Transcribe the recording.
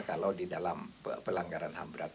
kalau di dalam pelanggaran ham berat